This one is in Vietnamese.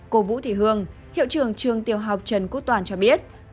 cô vũ thị hương hiệu trưởng trường tiểu học trần quốc toàn cho biết